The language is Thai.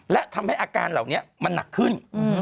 และทำให้อาการเหล่านี้มันหนักขึ้น